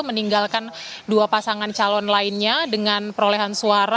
meninggalkan dua pasangan calon lainnya dengan perolehan suara